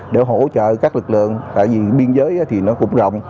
để hỗ trợ các lực lượng tại vì biên giới thì nó cũng rộng